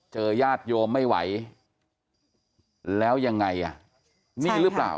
เจอยาติโยมไม่ไหวแล้วยังไงอ่ะใช่ค่ะนี่หรือเปล่า